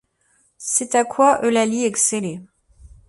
C’est à quoi Eulalie excellait.